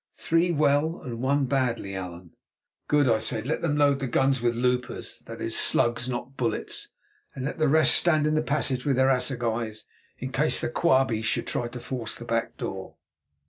"Three well and one badly, Allan." "Good," I said. "Let them load the guns with loopers"—that is, slugs, not bullets—"and let the rest stand in the passage with their assegais, in case the Quabies should try to force the back door."